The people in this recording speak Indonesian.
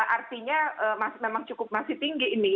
artinya memang cukup masih tinggi ini